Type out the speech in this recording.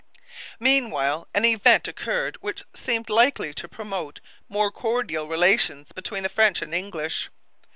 Meanwhile an event occurred which seemed likely to promote more cordial relations between the French and the English.